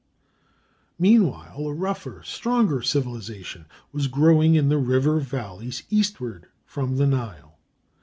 Meanwhile a rougher, stronger civilization was growing in the river valleys eastward from the Nile.